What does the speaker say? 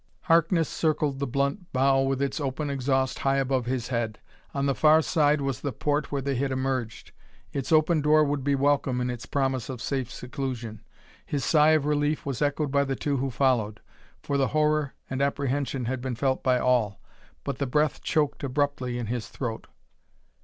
Harkness circled the blunt bow with its open exhaust high above his head. On the far side was the port where they had emerged; its open door would be welcome in its promise of safe seclusion. His sigh of relief was echoed by the two who followed, for the horror and apprehension had been felt by all. But the breath choked abruptly in his throat.